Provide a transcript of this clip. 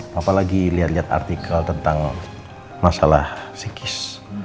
papa lagi liat liat artikel tentang masalah psikis